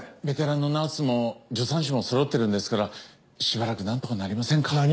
ベテランのナースも助産師もそろってるんですからしばらくなんとかなりませんか？